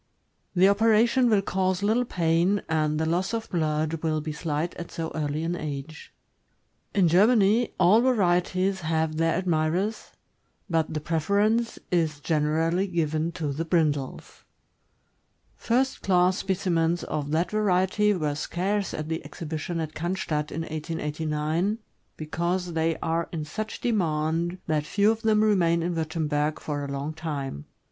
The operation will cause little pain, and the loss of blood will be slight at so early an age. In Germany, all varieties have their admirers, but the preference is generally given to the brindles. First class specimens of that variety were scarce at the exhibition at Oannstadt, in 1889, because they are in such demand that few of them remain in Wurtemberg for a long time.